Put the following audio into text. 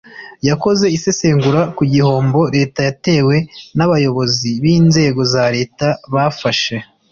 yakoze isesengura ku gihombo Leta yatewe n abayobozi b inzego za Leta bafashe